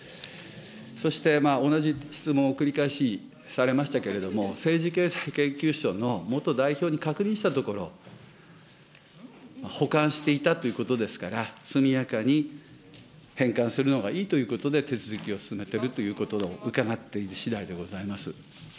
そして同じ質問を繰り返しされましたけれども、政治経済研究所の元代表に確認したところ、保管していたということですから、速やかに返還するのがいいということで、手続きを進めているということを伺っているしだいでございます。